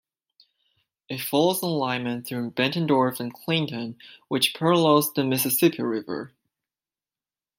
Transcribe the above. It follows an alignment through Bettendorf and Clinton which parallels the Mississippi River.